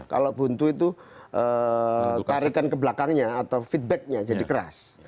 kalau buntu itu tarikan ke belakangnya atau feedbacknya jadi keras